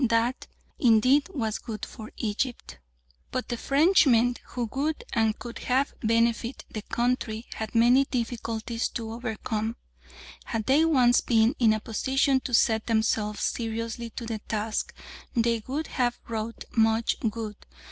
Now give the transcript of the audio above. That, indeed, was good for Egypt. But the Frenchmen who would and could have benefited the country had many difficulties to overcome; had they once been in a position to set themselves seriously to the task, they would have wrought much good.